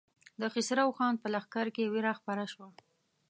د خسرو خان په لښکر کې وېره خپره شوه.